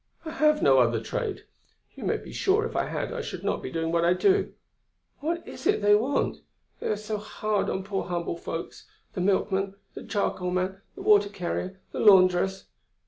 I have no other trade. You may be sure, if I had, I should not be doing what I do.... What is it they want? They are so hard on poor humble folks, the milkman, the charcoalman, the water carrier, the laundress.